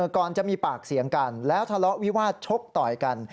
ก่อนจะมีปากเสียงกันแล้วทะเลาะวิวาสชกต่อยกัน